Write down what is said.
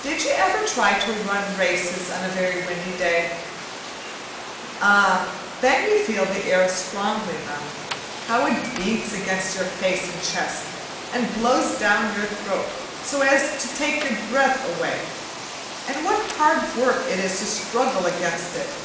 Did you ever try to run races on a very windy day? Ah! then you feel the air strongly enough; how it beats against your face and chest, and blows down your throat so as to take your breath away; and what hard work it is to struggle against it!